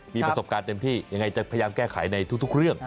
มีประสบการณ์เต็มที่ยังไงจะพยายามแก้ไขในทุกเรื่อง